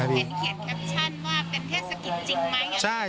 เห็นเขียนแคปชั่นว่าเป็นเทศกิจจริงไหม